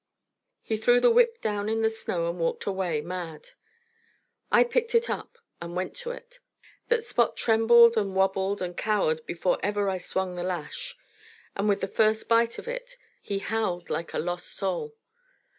He threw the whip down in the snow and walked away mad. I picked it up and went to it. That Spot trembled and wobbled and cowered before ever I swung the lash, and with the first bite of it he howled like a lost soul.